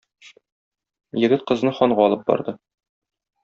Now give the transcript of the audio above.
Егет кызны ханга алып барды.